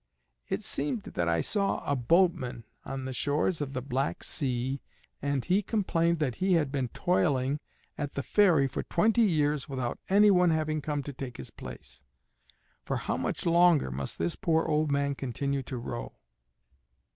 It seemed that I saw a boatman on the shores of the Black Sea, and he complained that he had been toiling at the ferry for twenty years without any one having come to take his place. For how much longer must this poor old man continue to row?"